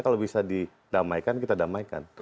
kalau bisa didamaikan kita damaikan